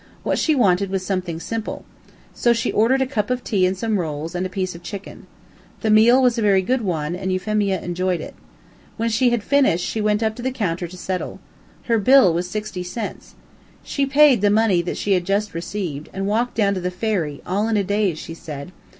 What she wanted was something simple. So she ordered a cup of tea and some rolls, and a piece of chicken. The meal was a very good one, and Euphemia enjoyed it. When she had finished, she went up to the counter to settle. Her bill was sixty cents. She paid the money that she had just received, and walked down to the ferry all in a daze, she said.